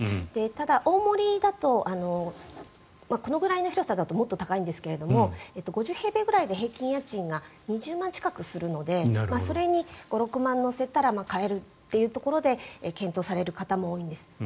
ただ、大森だとこのぐらいの広さだともっと高いんですが５０平米ぐらいで平均家賃が２０万円近くするのでそれに５６万円乗せたら買えるというところで検討される方も多いんです。